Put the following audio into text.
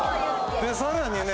でさらにね